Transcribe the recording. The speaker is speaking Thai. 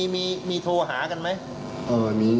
มีโทรหากันไหม